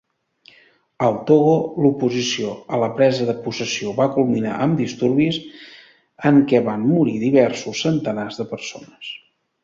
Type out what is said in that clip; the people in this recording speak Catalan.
Al Togo, l'oposició a la presa de possessió va culminar amb disturbis en què van morir diversos centenars de persones.